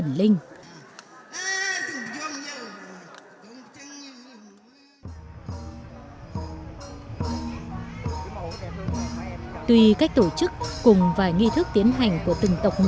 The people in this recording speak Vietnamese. sau nghi thức cũng dàng